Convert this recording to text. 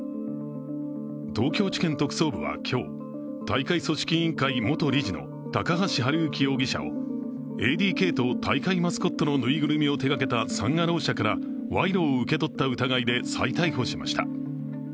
東京地検特捜部は今日、大会組織委員会元理事の高橋治之容疑者をＡＤＫと大会マスコットのぬいぐるみを手がけたサン・アロー社から賄賂を受け取った疑いで再逮捕しました。